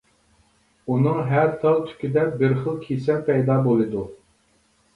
ئۇنىڭ ھەر تال تۈكىدە بىر خىل كېسەل پەيدا بولىدۇ.